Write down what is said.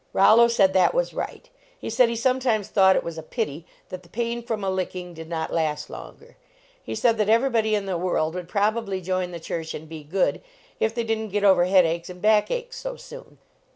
Rollo said that was right. He said he sometimes thought it was a pity that the pain from a licking did not last longer. He said that everybody in the world would probably join the church and be good, if they didn t get over headaches and backaches so soon.